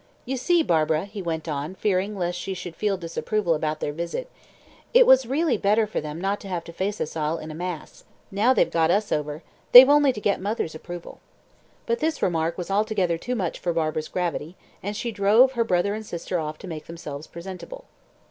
You see, Barbara," he went on, fearing lest she should feel disapproval about their visit, "it really was better for them not to have to face us all in a mass. Now they've got us over they've only to get mother's approval." But this remark was altogether too much for Barbara's gravity, and she drove her brother and sister off to make themselves presentable.